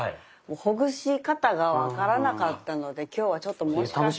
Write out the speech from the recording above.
ほぐし方が分からなかったので今日はちょっともしかしたら。